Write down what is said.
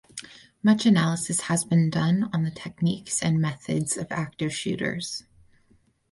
Much analysis has been done on the techniques and methods of active shooters.